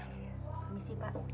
terima kasih pak